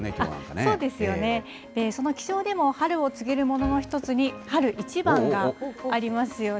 そうですよね、その気象でも、春を告げるものの一つに、春一番がありますよね。